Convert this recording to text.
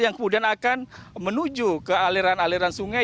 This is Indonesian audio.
yang kemudian akan menuju ke aliran aliran sungai